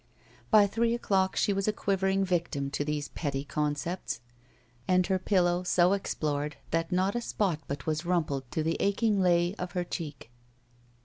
By three o'clock she was a quivering victim to these petty concepts, and her pillow so explored that not a spot but was rumpled to the aching lay of he cheek.